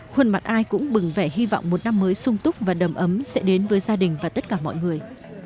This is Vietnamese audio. khuôn mặt ai cũng bừng vẻ hy vọng một năm mới sung túc và đầm ấm sẽ đến với gia đình và tất cả mọi người